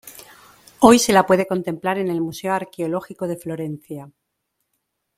Hoy se la puede contemplar en el Museo Arqueológico de Florencia.